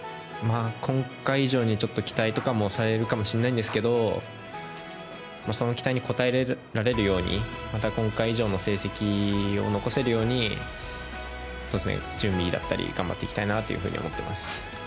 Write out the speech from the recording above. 今回以上に期待とかもされるかもしれないんですけど、その期待に応えられるように今回以上の成績を残せるように準備だったりを頑張っていきたいなと思います